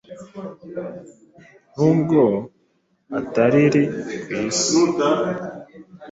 n’ubwo atariri ku isi,